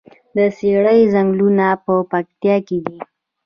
د څیړۍ ځنګلونه په پکتیا کې دي؟